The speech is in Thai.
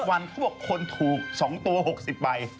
วันเขาบอกคนถูก๒ตัว๖๐ใบ